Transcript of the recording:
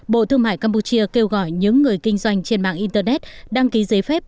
bộ thương mại campuchia kêu gọi những người kinh doanh trên mạng internet đăng ký giấy phép